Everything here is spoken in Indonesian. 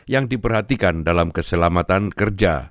yang diperhatikan dalam keselamatan kerja